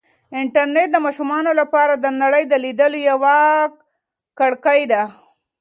انټرنیټ د ماشومانو لپاره د نړۍ د لیدلو یوه کړکۍ ده.